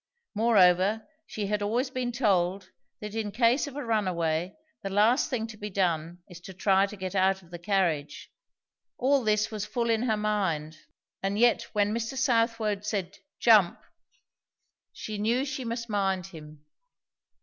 Moreover she had always been told that in case of a runaway the last thing to be done is to try to get out of the carriage. All this was full in her mind; and yet when Mr. Southwode said "Jump," she knew she must mind him.